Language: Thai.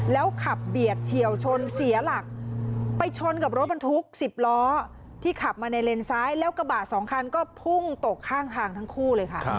แล้วขับเบียดเฉียวชนเสียหลักไปชนกับรถบรรทุก๑๐ล้อที่ขับมาในเลนซ้ายแล้วกระบะสองคันก็พุ่งตกข้างทางทั้งคู่เลยค่ะ